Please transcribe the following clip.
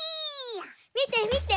みてみて！